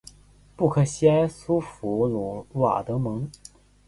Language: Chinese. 布克西埃苏弗鲁瓦德蒙。